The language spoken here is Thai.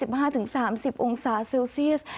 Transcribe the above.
สิบห้าถึงสามสิบองศาเซลเซียส